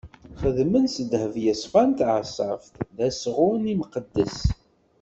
Xedmen s ddheb yeṣfan taɛeṣṣabt: D asɣun imqeddes.